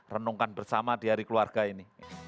renungkan bersama di hari keluarga ini